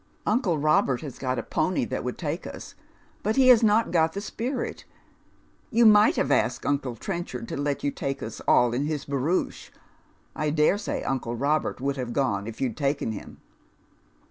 Uncle Robert has got a pony that would take us, but he has not got the spirit. You might have asked uncle Trenchard to let you take ns all in his barouche. I dare say uncle Robert would have gone if you'd taken him."